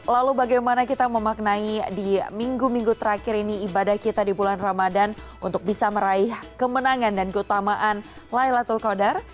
lalu bagaimana kita memaknai di minggu minggu terakhir ini ibadah kita di bulan ramadan untuk bisa meraih kemenangan dan keutamaan laylatul qadar